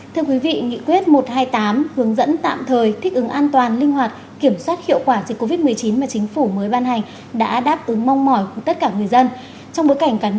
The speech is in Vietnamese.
thưa quý vị nghị quyết một trăm hai mươi tám hướng dẫn tạm thời thích ứng an toàn linh hoạt kiểm soát hiệu quả dịch covid một mươi chín mà chính phủ mới ban hành đã đáp ứng mong mỏi của tất cả người dân